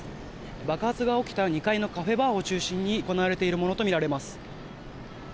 爆発が起きた２階のカフェバーを中心に行われているものとみられます。